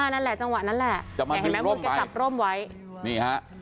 นั่นแหละจังหวะนั้นแหละ